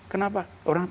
kenapa orang yang